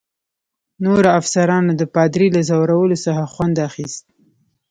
نورو افسرانو د پادري له ځورولو څخه خوند اخیست.